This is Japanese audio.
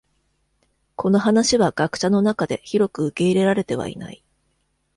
この話は学者の中で広く受け入れられてはいない。